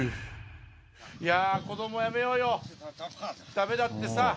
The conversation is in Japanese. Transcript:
いやぁ、子どもはやめようよ、だめだってさ。